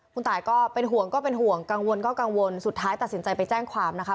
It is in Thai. คุณตายก็เป็นห่วงก็เป็นห่วงกังวลก็กังวลสุดท้ายตัดสินใจไปแจ้งความนะคะ